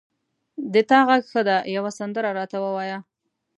د تا غږ ښه ده یوه سندره را ته ووایه